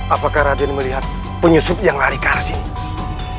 apakah raden melihat penyusup yang lari ke arah sini